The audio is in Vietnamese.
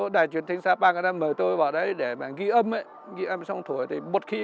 đài truyền thanh sapa mời tôi vào đấy để mà ghi âm ghi âm xong thổi